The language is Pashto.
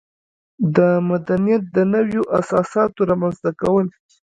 د مدنیت د نویو اساساتو رامنځته کول.